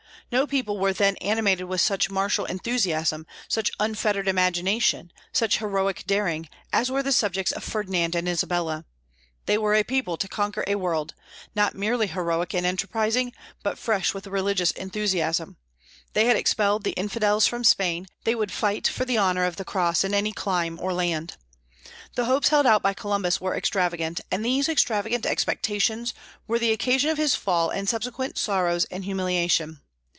No people were then animated with such martial enthusiasm, such unfettered imagination, such heroic daring, as were the subjects of Ferdinand and Isabella. They were a people to conquer a world; not merely heroic and enterprising, but fresh with religious enthusiasm. They had expelled the infidels from Spain; they would fight for the honor of the Cross in any clime or land. The hopes held out by Columbus were extravagant; and these extravagant expectations were the occasion of his fall and subsequent sorrows and humiliation.